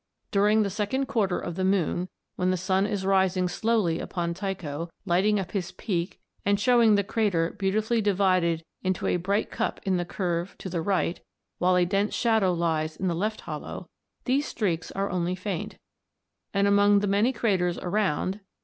During the second quarter of the moon, when the sun is rising slowly upon Tycho, lighting up his peak and showing the crater beautifully divided into a bright cup in the curve to the right, while a dense shadow lies in the left hollow, these streaks are only faint, and among the many craters around (see Fig.